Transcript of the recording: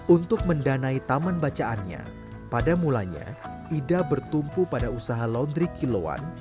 untuk mendanai taman bacaannya pada mulanya ida bertumpu pada usaha laundry kiloan